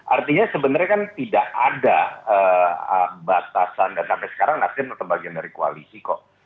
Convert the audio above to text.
artinya sebenarnya kan tidak ada batasan dan sampai sekarang nasdem tetap bagian dari koalisi kok